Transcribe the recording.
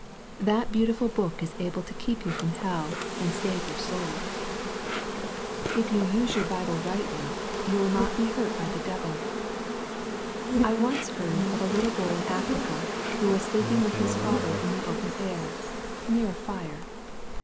That beautiful book is able to keep you from hell and save your soul. If you use the Bible rightly NO MORE CRYING. 73 you will not be hurt by the devil. I once heard of a little boy in Africa, who was sleeping with his father in the open air, near a fire.